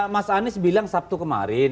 mas anies bilang sabtu kemarin